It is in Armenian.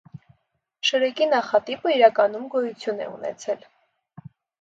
Շրեկի նախատիպը իրականում գոյություն է ունեցել։